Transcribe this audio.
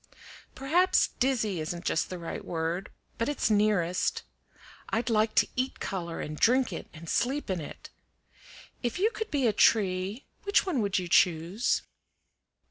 "Perhaps dizzy isn't just the right word, but it's nearest. I'd like to eat color, and drink it, and sleep in it. If you could be a tree, which one would you choose?"